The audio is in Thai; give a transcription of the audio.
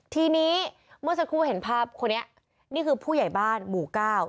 ทีนี้เมื่อสักครู่เห็นภาพคนนี้นี่คือผู้ใหญ่บ้านหมู่เก้า